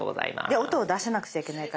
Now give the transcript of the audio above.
で音を出さなくちゃいけないから。